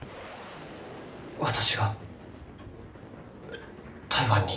私が台湾に？